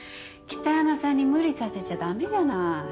北山さんに無理させちゃ駄目じゃない。